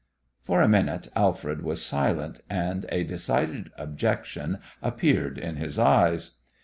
For a minute Alfred was silent, and a decided objection appeared in his eyes.